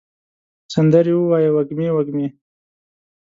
سندرې ووایې وږمې، وږمې